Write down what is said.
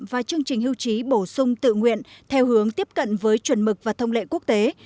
và chương trình hưu trí bổ sung tự nguyện theo hướng tiếp cận với chuẩn mực và thông lệ quốc tế